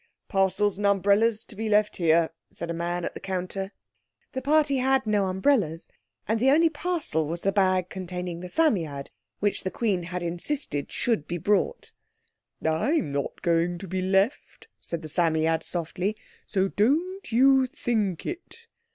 "Parcels and umbrellas to be left here," said a man at the counter. The party had no umbrellas, and the only parcel was the bag containing the Psammead, which the Queen had insisted should be brought. "I'm not going to be left," said the Psammead softly, "so don't you think it."